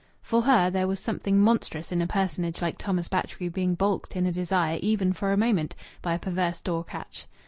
For her there was something monstrous in a personage like Thomas Batchgrew being balked in a desire, even for a moment, by a perverse door catch.